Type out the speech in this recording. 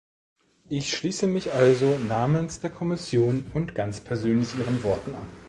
Ich schließe mich also namens der Kommission und ganz persönlich Ihren Worten an.